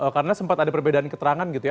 karena sempat ada perbedaan keterangan gitu ya